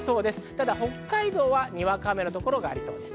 ただ北海道はにわか雨のところがありそうです。